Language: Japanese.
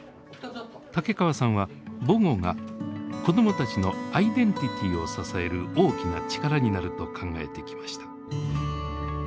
竹川さんは母語が子どもたちのアイデンティティーを支える大きな力になると考えてきました。